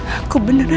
aku benar benci kamu